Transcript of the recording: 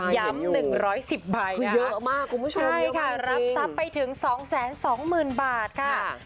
ย้ำ๑๑๐ใบนะคะใช่ค่ะรับทรัพย์ไปถึง๒๒๐๐๐๐บาทค่ะคุณผู้ชมเห็นอยู่คือเยอะมากคุณผู้ชมเยอะมากจริง